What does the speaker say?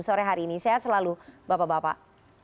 sore hari ini sehat selalu bapak bapak